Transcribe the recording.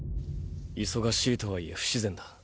忙しいとは言え不自然だ。